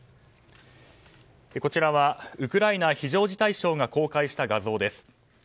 こちらはウクライナ非常事態省が公開した画像です。